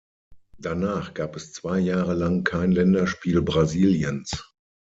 Danach gab es zwei Jahre lang kein Länderspiel Brasiliens.